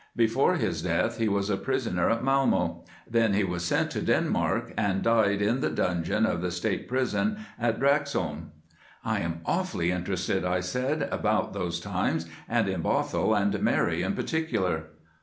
Before his death he was a prisoner at Malmo; then he was sent to Denmark, and died in the dungeon of the State prison at Drachsholm." "I am awfully interested," I said, "about those times, and in Bothwell and Mary in particular."